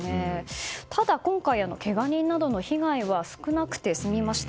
ただ今回、けが人などの被害は少なくて済みました。